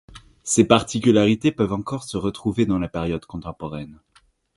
Ces particularités peuvent encore se retrouver dans la période contemporaine.